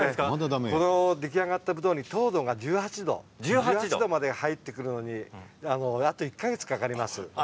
出来上がったぶどうに糖度が１８度まで入ってくるのにあと１か月かかります。